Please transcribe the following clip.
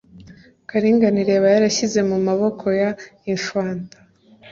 karinganire yaba yarashyize mumaboko ya infanta